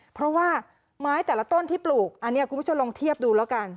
เพราะว่าไม้แต่ละต้นที่ปลูกอันนี้คุณผู้ชมลองเทียบดูแล้วกัน